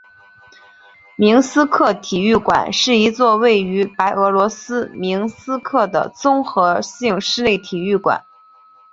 明斯克体育馆是一座位于白俄罗斯明斯克的综合性室内体育馆。